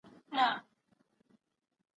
کله حکومتونه دا راپورونه ردوي؟